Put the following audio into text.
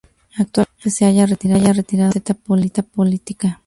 Actualmente se halla retirado de su faceta política.